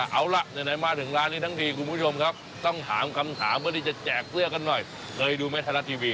เอาล่ะไหนมาถึงร้านนี้ทั้งทีคุณผู้ชมครับต้องถามคำถามเพื่อที่จะแจกเสื้อกันหน่อยเคยดูไหมไทยรัฐทีวี